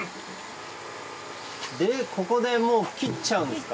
でここでもう切っちゃうんですか？